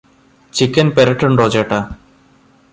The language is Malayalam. ചിക്കൻ പെരെട്ടുണ്ടോ ചേട്ടാ.